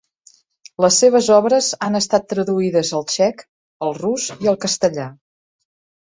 Les seves obres han estat traduïdes al txec, el rus i el castellà.